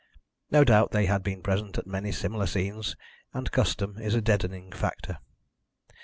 No doubt they had been present at many similar scenes, and custom is a deadening factor.